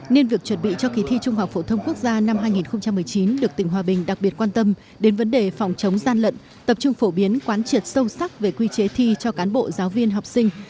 nên việc chuẩn bị cho kỳ thi trung học phổ thông quốc gia năm hai nghìn một mươi chín được tỉnh hòa bình đặc biệt quan tâm đến vấn đề phòng chống gian lận tập trung phổ biến quán triệt sâu sắc về quy chế thi cho cán bộ giáo viên học sinh